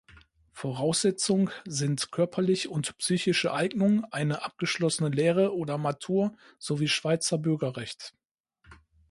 Voraussetzung sind körperlich und psychische Eignung, eine abgeschlossene Lehre oder Matur sowie Schweizer Bürgerrecht.